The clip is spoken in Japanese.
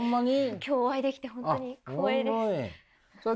今日お会いできて本当に光栄です。